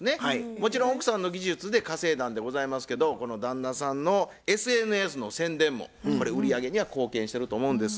もちろん奥さんの技術で稼いだんでございますけどこの旦那さんのＳＮＳの宣伝も売り上げには貢献してると思うんです。